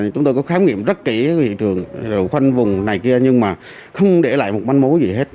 chúng tôi có khám nghiệm rất kỹ vị trường đồ khoanh vùng này kia nhưng mà không để lại một bánh máu gì hết